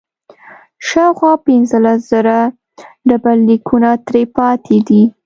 شاوخوا پنځلس زره ډبرلیکونه ترې پاتې دي.